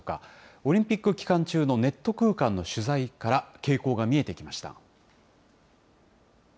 オリンピック期間中のネット空間の取材から傾向が見えてきました。